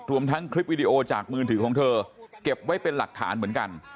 ทั้งคลิปวิดีโอจากมือถือของเธอเก็บไว้เป็นหลักฐานเหมือนกัน